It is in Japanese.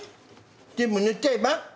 全部塗っちゃえば？